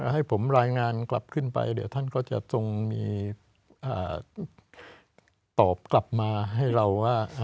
ให้ผมรายงานกลับขึ้นไปเดี๋ยวท่านก็จะจงมีตอบกลับมาให้เราว่า